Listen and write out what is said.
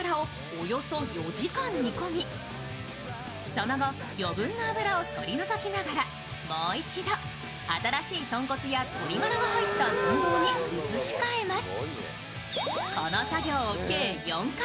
その後、余分な脂を取り除きながらもう一度、新しい豚骨や鶏ガラが入ったずんどうに移し替えます。